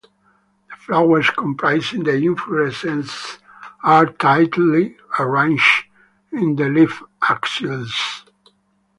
The flowers comprising the inflorescence are tightly arranged in the leaf axils.